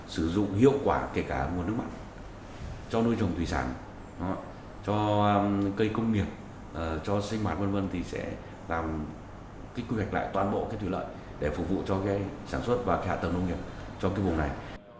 sẽ quy hoạch lại toàn bộ thủy lợi để phục vụ sản xuất và hạ tầng nông nghiệp cho vùng này